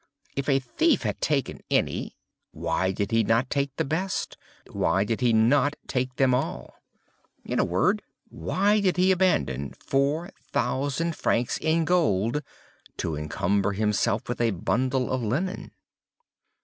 If a thief had taken any, why did he not take the best—why did he not take all? In a word, why did he abandon four thousand francs in gold to encumber himself with a bundle of linen?